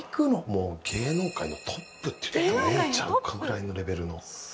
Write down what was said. もう芸能界のトップっていってもええんちゃうかぐらいのレベルの。